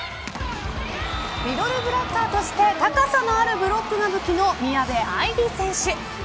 ミドルブロッカーとして高さのあるブロックが武器の宮部藍梨選手。